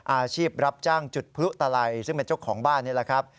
อาชีพรับจ้างจุดพลุตะไลซึ่งเป็นเจ้าของบ้านนี่แหละครับ